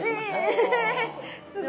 えすごい！